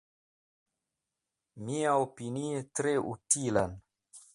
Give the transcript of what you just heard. Miaopinie tre utilan.